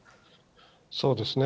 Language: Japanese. そうですね。